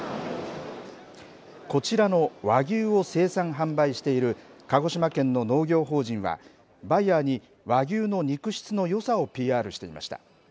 こちらの和牛を生産・販売している鹿児島県の農業法人は、バイヤーに、和牛の肉質のよさをＰＲしていました。